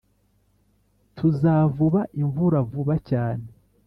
Tuzavuba imvura vuba cyane